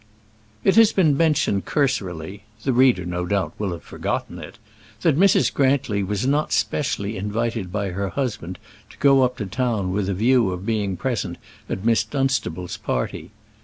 It has been mentioned cursorily the reader, no doubt, will have forgotten it that Mrs. Grantly was not specially invited by her husband to go up to town with a view of being present at Miss Dunstable's party.